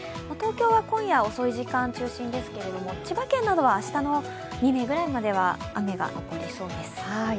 東京は今夜遅い時間が中心ですけれども千葉県などは明日の未明ぐらいまでは雨が残りそうです。